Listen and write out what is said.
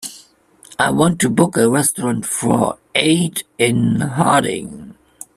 I want to book a restaurant for eight in Harding.